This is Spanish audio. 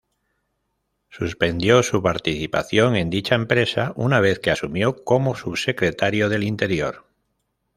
Suspendió su participación en dicha empresa una vez que asumió como Subsecretario del Interior.